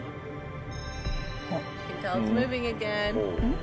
ん？